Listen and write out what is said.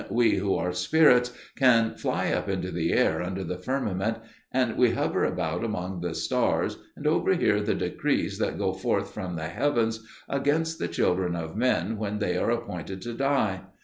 We who are spirits can fly up into the air under the firmament, and we hover about among the stars and overhear the decrees that go forth from the heavens against the children of men when they are appointed to die.